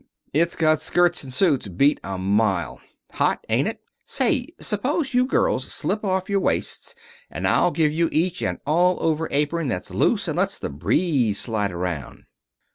It's got skirts and suits beat a mile. Hot, ain't it? Say, suppose you girls slip off your waists and I'll give you each an all over apron that's loose and let's the breeze slide around."